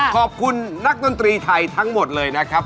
ขอบคุณนักดนตรีไทยทั้งหมดเลยนะครับ